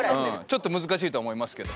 ちょっと難しいと思いますけど。